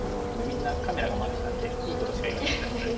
みんなカメラが回ってたんでいいことしか言わなかったですね。